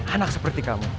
anak seperti kamu